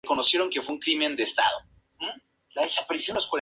Aparece en el juego de Game Boy Advance "Konami Krazy Racers".